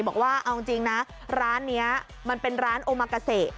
บอกว่าเอาจริงนะร้านนี้มันเป็นร้านโอมากาเซ